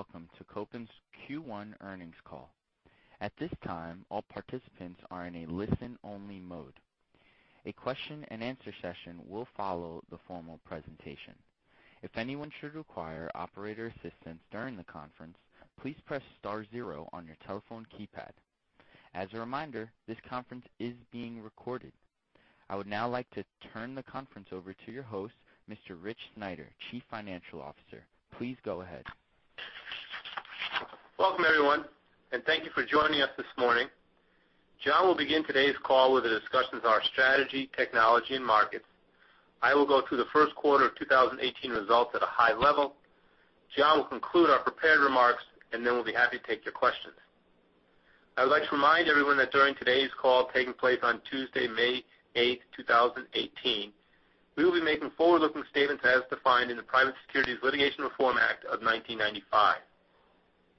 Welcome to Kopin's Q1 earnings call. At this time, all participants are in a listen-only mode. A question-and-answer session will follow the formal presentation. If anyone should require operator assistance during the conference, please press star 0 on your telephone keypad. As a reminder, this conference is being recorded. I would now like to turn the conference over to your host, Mr. Richard Sneider, Chief Financial Officer. Please go ahead. Welcome everyone, thank you for joining us this morning. John will begin today's call with a discussion of our strategy, technology, and markets. I will go through the first quarter of 2018 results at a high level. John will conclude our prepared remarks, then we'll be happy to take your questions. I would like to remind everyone that during today's call, taking place on Tuesday, May 8, 2018, we will be making forward-looking statements as defined in the Private Securities Litigation Reform Act of 1995.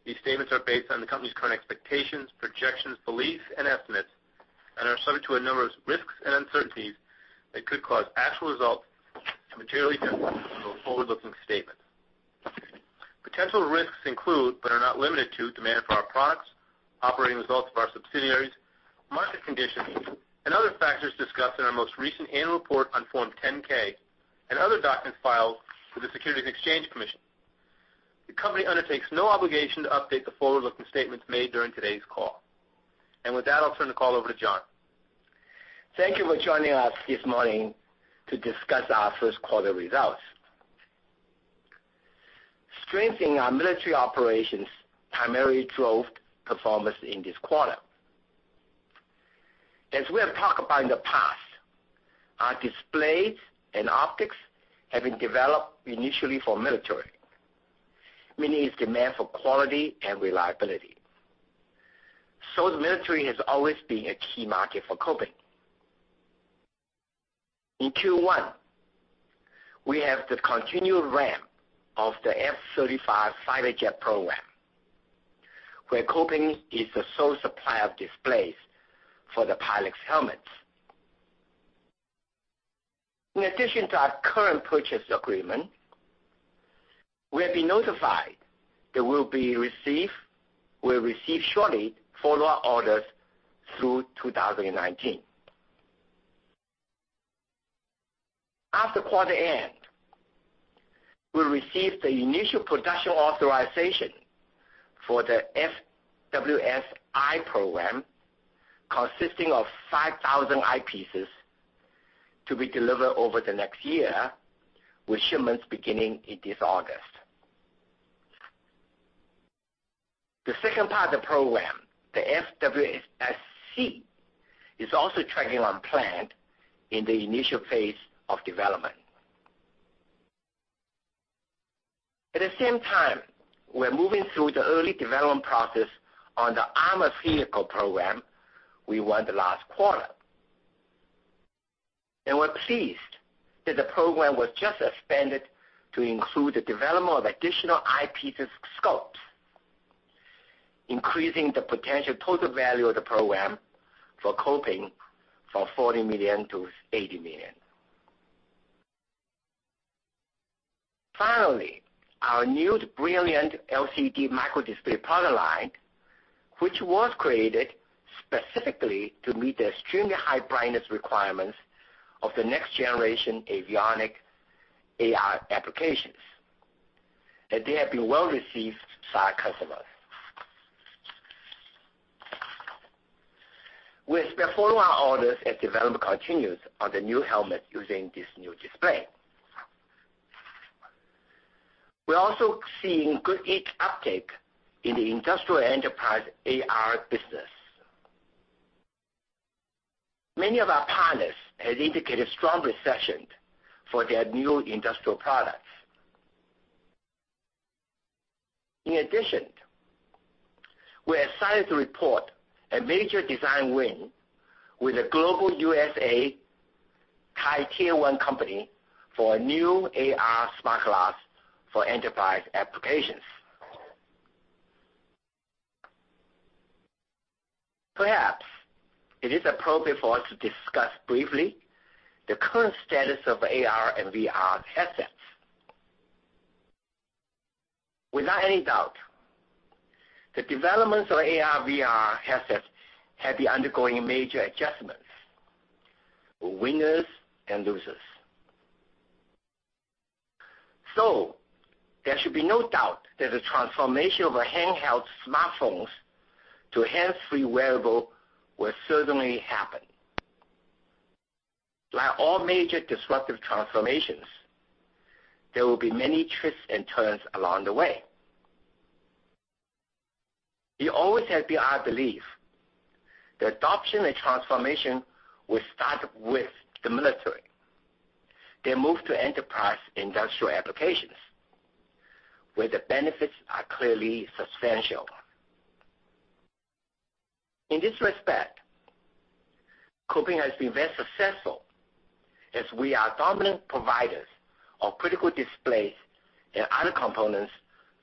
These statements are based on the company's current expectations, projections, beliefs, and estimates and are subject to a number of risks and uncertainties that could cause actual results to materially differ from our forward-looking statements. Potential risks include, are not limited to, demand for our products, operating results of our subsidiaries, market conditions, and other factors discussed in our most recent annual report on Form 10-K and other documents filed with the Securities and Exchange Commission. The company undertakes no obligation to update the forward-looking statements made during today's call. With that, I'll turn the call over to John. Thank you for joining us this morning to discuss our first quarter results. Strengthening our military operations primarily drove performance in this quarter. As we have talked about in the past, our displays and optics have been developed initially for military, meaning it's demand for quality and reliability. The military has always been a key market for Kopin. In Q1, we have the continued ramp of the F-35 fighter jet program, where Kopin is the sole supplier of displays for the pilots' helmets. In addition to our current purchase agreement, we have been notified that we'll receive shortly follow-up orders through 2019. After quarter end, we'll receive the initial production authorization for the FWS-I program consisting of 5,000 eyepieces to be delivered over the next year, with shipments beginning in this August. The second part of the program, the FWS-C, is also tracking on plan in the initial phase of development. At the same time, we're moving through the early development process on the armored vehicle program we won the last quarter. We're pleased that the program was just expanded to include the development of additional eyepiece scopes, increasing the potential total value of the program for Kopin from $40 million to $80 million. Finally, our new Brillian LCD microdisplay product line, which was created specifically to meet the extremely high brightness requirements of the next generation avionics AR applications, and they have been well received by our customers. We expect follow-on orders as development continues on the new helmet using this new display. We're also seeing good uptake in the industrial enterprise AR business. Many of our partners have indicated strong reception for their new industrial products. In addition, we are excited to report a major design win with a global USA high Tier 1 company for a new AR smart glass for enterprise applications. Perhaps it is appropriate for us to discuss briefly the current status of AR and VR headsets. Without any doubt, the developments of AR/VR headsets have been undergoing major adjustments, with winners and losers. There should be no doubt that the transformation of handheld smartphones to hands-free wearable will certainly happen. Like all major disruptive transformations, there will be many twists and turns along the way. It always has been our belief the adoption and transformation will start with the military, then move to enterprise industrial applications, where the benefits are clearly substantial. In this respect, Kopin has been very successful as we are dominant providers of critical displays and other components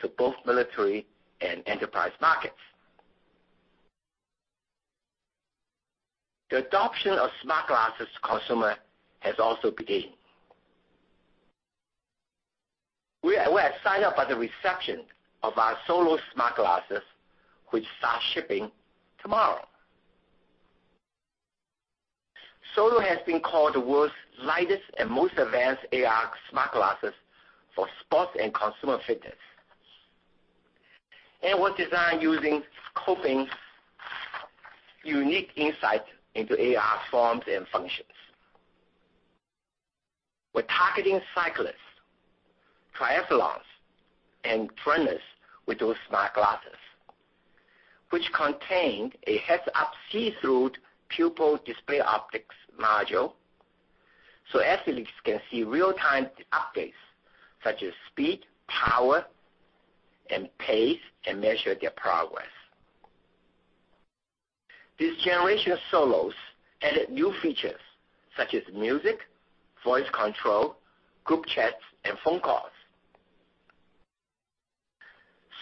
to both military and enterprise markets. The adoption of smart glasses consumer has also began. We are excited about the reception of our Solos smart glasses, which start shipping tomorrow. Solos has been called the world's lightest and most advanced AR smart glasses for sports and consumer fitness. Was designed using Kopin's unique insight into AR forms and functions. We're targeting cyclists, triathletes, and runners with those smart glasses, which contain a heads-up see-through pupil display optics module. Athletes can see real-time updates such as speed, power, and pace, and measure their progress. This generation of Solos added new features, such as music, voice control, group chats, and phone calls.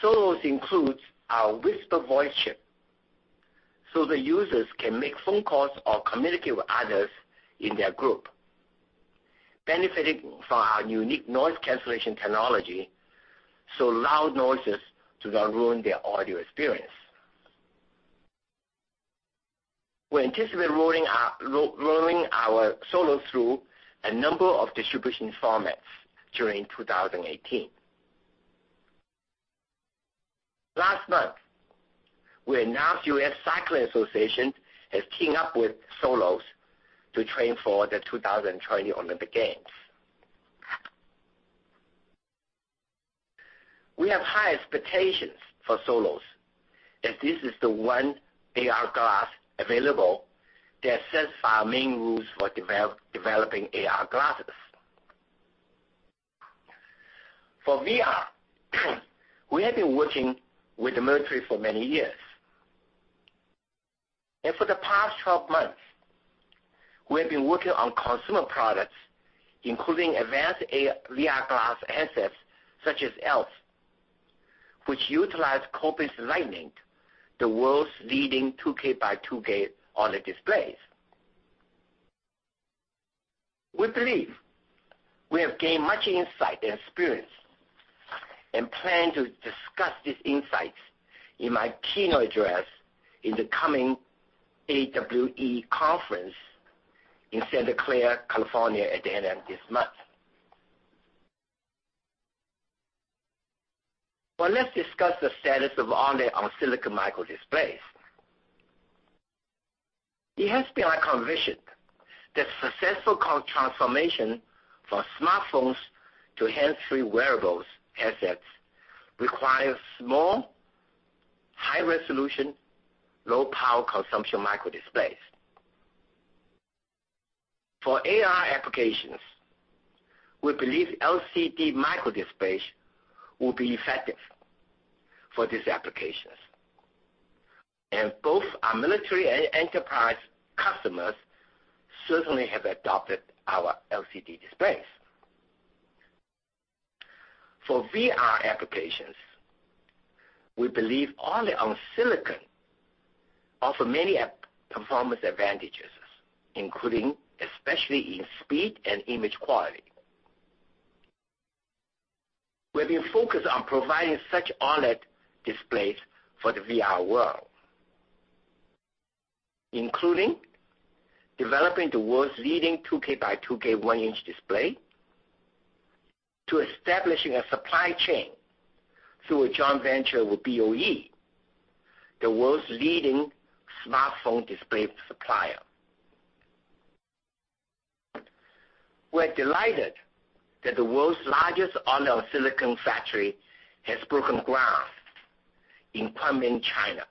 Solos includes our Whisper Voice chip so the users can make phone calls or communicate with others in their group, benefiting from our unique noise cancellation technology, so loud noises do not ruin their audio experience. We anticipate rolling our Solos through a number of distribution formats during 2018. Last month, we announced USA Cycling has teamed up with Solos to train for the 2020 Olympic Games. We have high expectations for Solos, as this is the one AR glass available that sets our main rules for developing AR glasses. For VR, we have been working with the military for many years. For the past 12 months, we have been working on consumer products, including advanced VR glass assets such as ELF, which utilize Kopin's Lightning, the world's leading 2K by 2K on the displays. We believe we have gained much insight and experience and plan to discuss these insights in my keynote address in the coming AWE conference in Santa Clara, California, at the end of this month. Let's discuss the status of our on-silicon microdisplays. It has been our conviction that successful transformation from smartphones to hands-free wearables assets requires small, high-resolution, low-power consumption microdisplays. For AR applications, we believe LCD microdisplays will be effective for these applications. Both our military and enterprise customers certainly have adopted our LCD displays. For VR applications, we believe on-silicon offer many performance advantages, including especially in speed and image quality. We have been focused on providing such on-silicon displays for the VR world, including developing the world's leading 2K by 2K one-inch display to establishing a supply chain through a joint venture with BOE, the world's leading smartphone display supplier. We're delighted that the world's largest on-silicon factory has broken ground in Kunming, China,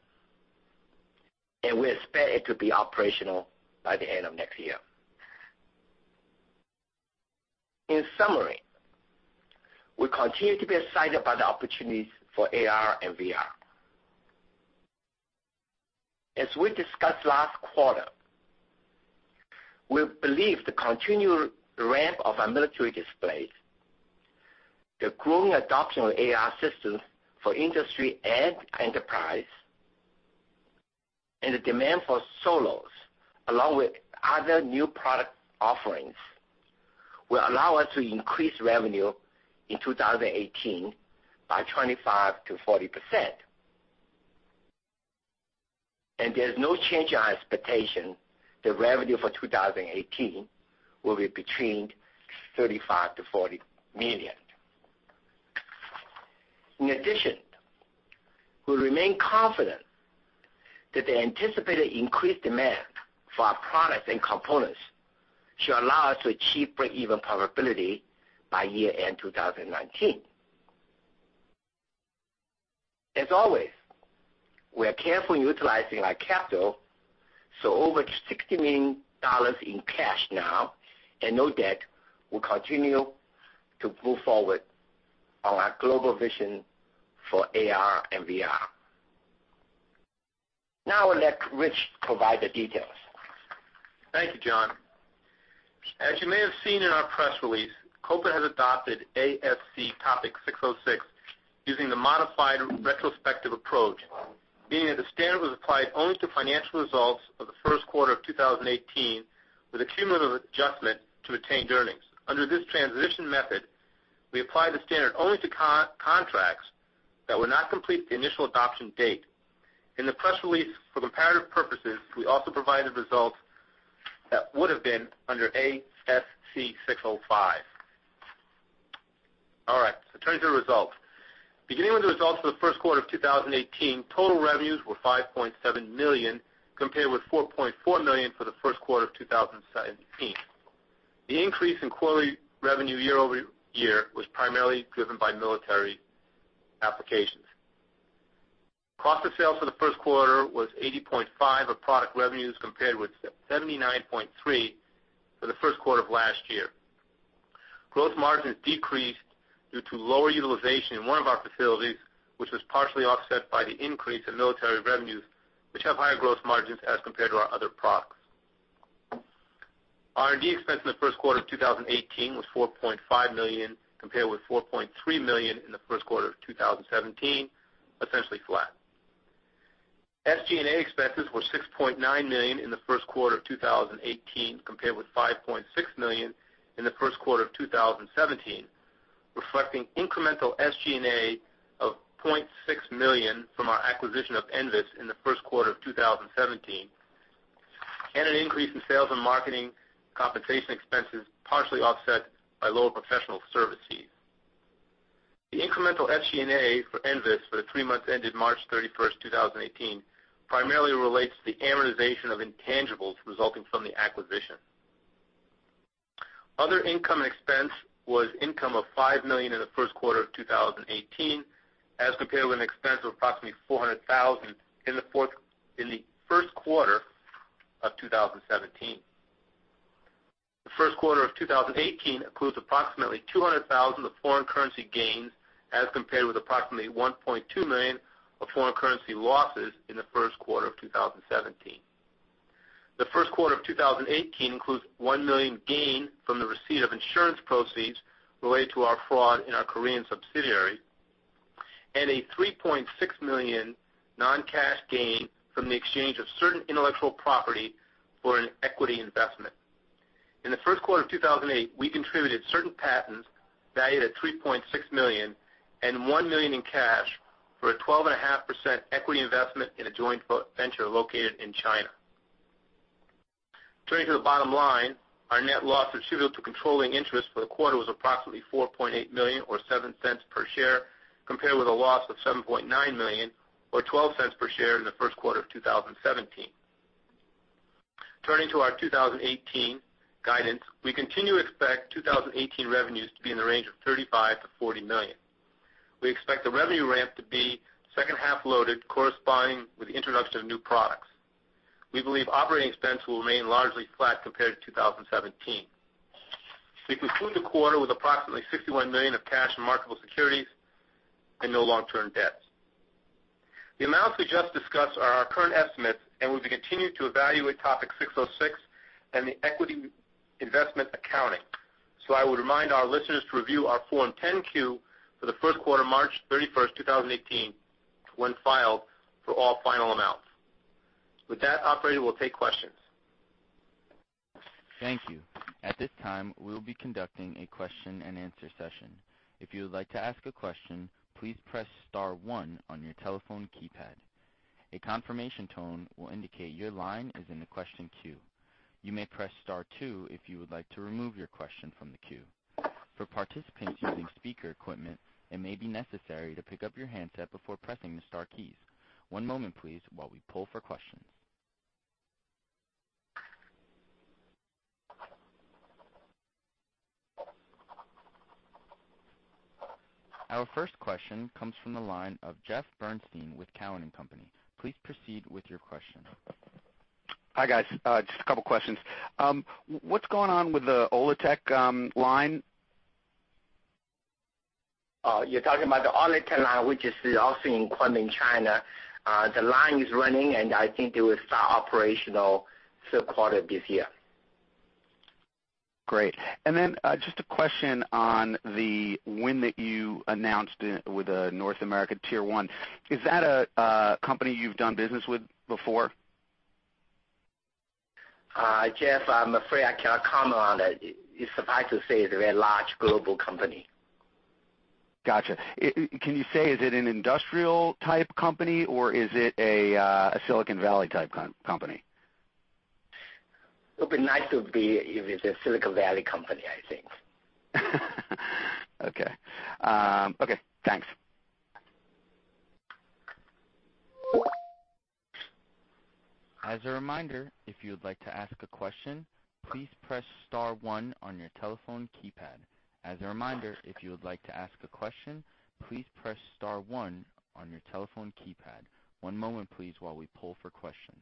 and we expect it to be operational by the end of next year. In summary, we continue to be excited about the opportunities for AR and VR. As we discussed last quarter, we believe the continued ramp of our military displays, the growing adoption of AR systems for industry and enterprise, and the demand for Solos, along with other new product offerings, will allow us to increase revenue in 2018 by 25%-40%. There is no change in our expectation that revenue for 2018 will be between $35 million-$40 million. In addition, we remain confident that the anticipated increased demand for our products and components should allow us to achieve break-even profitability by year-end 2019. As always, we are carefully utilizing our capital, so over $60 million in cash now and no debt, we'll continue to move forward on our global vision for AR and VR. Now I'll let Rich provide the details. Thank you, John. As you may have seen in our press release, Kopin has adopted ASC Topic 606 using the modified retrospective approach, meaning that the standard was applied only to financial results of the first quarter of 2018 with a cumulative adjustment to retained earnings. Under this transition method, we applied the standard only to contracts that were not complete at the initial adoption date. In the press release for comparative purposes, we also provided results that would have been under ASC 605. All right, so turning to the results. Beginning with the results for the first quarter of 2018, total revenues were $5.7 million, compared with $4.4 million for the first quarter of 2017. The increase in quarterly revenue year-over-year was primarily driven by military applications. Cost of sales for the first quarter was 80.5% of product revenues, compared with 79.3% for the first quarter of last year. Gross margins decreased due to lower utilization in one of our facilities, which was partially offset by the increase in military revenues, which have higher gross margins as compared to our other products. R&D expense in the first quarter of 2018 was $4.5 million, compared with $4.3 million in the first quarter of 2017, essentially flat. SG&A expenses were $6.9 million in the first quarter of 2018, compared with $5.6 million in the first quarter of 2017, reflecting incremental SG&A of $0.6 million from our acquisition of NVIS in the first quarter of 2017, and an increase in sales and marketing compensation expenses, partially offset by lower professional services. The incremental SG&A for NVIS for the three months ended March 31, 2018, primarily relates to the amortization of intangibles resulting from the acquisition. Other income expense was income of $5 million in the first quarter of 2018 as compared with an expense of approximately $400,000 in the first quarter of 2017. The first quarter of 2018 includes approximately $200,000 of foreign currency gains as compared with approximately $1.2 million of foreign currency losses in the first quarter of 2017. The first quarter of 2018 includes a $1 million gain from the receipt of insurance proceeds related to our fraud in our Korean subsidiary and a $3.6 million non-cash gain from the exchange of certain intellectual property for an equity investment. In the first quarter of 2018, we contributed certain patents valued at $3.6 million and $1 million in cash for a 12.5% equity investment in a joint venture located in China. Turning to the bottom line, our net loss attributable to controlling interest for the quarter was approximately $4.8 million, or $0.07 per share, compared with a loss of $7.9 million or $0.12 per share in the first quarter of 2017. Turning to our 2018 guidance, we continue to expect 2018 revenues to be in the range of $35 million-$40 million. We expect the revenue ramp to be second-half loaded, corresponding with the introduction of new products. We believe operating expense will remain largely flat compared to 2017. We concluded the quarter with approximately $61 million of cash and marketable securities and no long-term debts. The amounts we just discussed are our current estimates, and we will be continuing to evaluate Topic 606 and the equity investment accounting. I would remind our listeners to review our Form 10-Q for the first quarter, March 31st, 2018, when filed for all final amounts. With that, operator will take questions. Thank you. At this time, we will be conducting a question-and-answer session. If you would like to ask a question, please press star 1 on your telephone keypad. A confirmation tone will indicate your line is in the question queue. You may press star 2 if you would like to remove your question from the queue. For participants using speaker equipment, it may be necessary to pick up your handset before pressing the star keys. One moment, please, while we pull for questions. Our first question comes from the line of Jeffrey Bernstein with Cowen and Company. Please proceed with your question. Hi, guys. Just a couple of questions. What's going on with the OLiGHTEK line? You're talking about the OLiGHTEK line, which is also in Kunming, China. The line is running. I think it will start operational third quarter of this year. Great. Just a question on the win that you announced with the North America tier 1. Is that a company you've done business with before? Jeff, I'm afraid I cannot comment on it. Suffice to say, they're a large global company. Got you. Can you say, is it an industrial type company or is it a Silicon Valley type company? It would be nice to be if it's a Silicon Valley company, I think. Okay. Okay, thanks. As a reminder, if you would like to ask a question, please press *1 on your telephone keypad. As a reminder, if you would like to ask a question, please press *1 on your telephone keypad. One moment, please, while we pull for questions.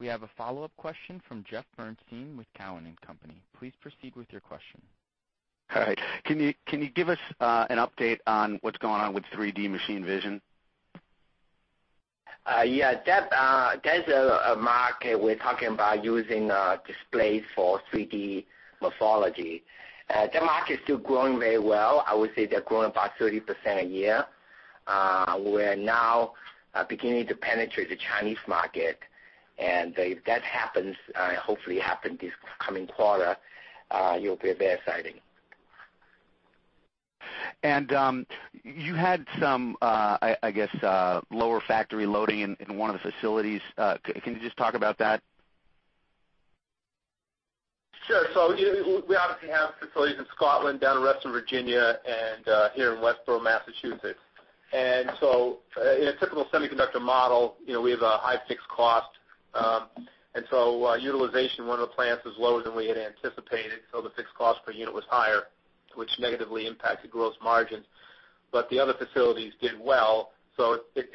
We have a follow-up question from Jeffrey Bernstein with Cowen and Company. Please proceed with your question. All right. Can you give us an update on what's going on with 3D machine vision? Yeah, that's a market we're talking about using displays for 3D metrology. That market is still growing very well. I would say they're growing about 30% a year. We're now beginning to penetrate the Chinese market, if that happens, hopefully happen this coming quarter, it'll be very exciting. You had some, I guess, lower factory loading in one of the facilities. Can you just talk about that? Sure. We obviously have facilities in Scotland, down in Reston, Virginia, and here in Westborough, Massachusetts. In a typical semiconductor model, we have a high fixed cost. Utilization in one of the plants was lower than we had anticipated, so the fixed cost per unit was higher, which negatively impacted gross margins. The other facilities did well, so it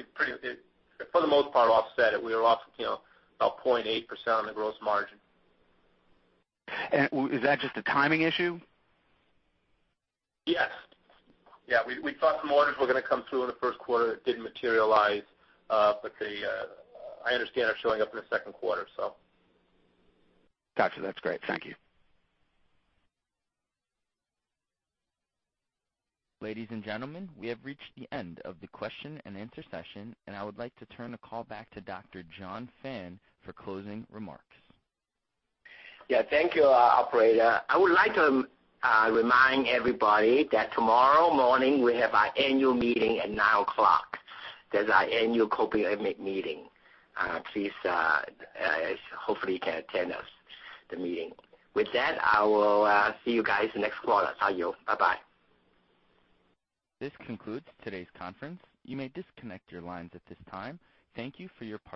for the most part, offset it. We were off about 0.8% on the gross margin. Is that just a timing issue? Yes. We thought some orders were going to come through in the first quarter that didn't materialize, but I understand are showing up in the second quarter. Got you. That's great. Thank you. Ladies and gentlemen, we have reached the end of the question and answer session, and I would like to turn the call back to Dr. John Fan for closing remarks. Yeah, thank you, operator. I would like to remind everybody that tomorrow morning we have our annual meeting at nine o'clock. That's our annual Kopin Inc. meeting. Please, hopefully you can attend the meeting. With that, I will see you guys next quarter. Thank you. Bye-bye. This concludes today's conference. You may disconnect your lines at this time. Thank you for your participation.